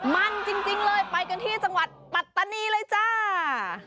มันจริงเลยไปกันที่จังหวัดปัตตานีเลยจ้า